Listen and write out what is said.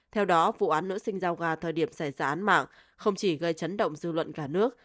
theo đó vụ án nữ sinh giao gà thời điểm xảy ra án mạng không chỉ gây chấn động dư luận cả nước